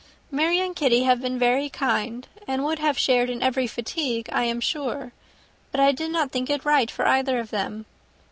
"Mary and Kitty have been very kind, and would have shared in every fatigue, I am sure, but I did not think it right for either of them.